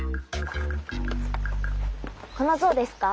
この像ですか？